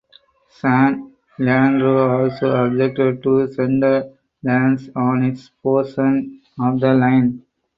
San Leandro also objected to center lanes on its portion of the line.